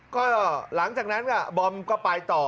ก็หลังจากนั้นบอมก็ไปต่อ